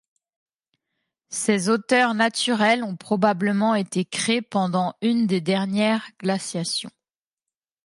Ces hauteurs naturelles ont probablement été créées pendant une des dernières glaciations.